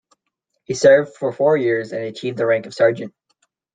He served for four years and achieved the rank of Sergeant.